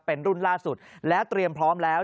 เป็นรุ่นล่าสุดและเตรียมพร้อมแล้ว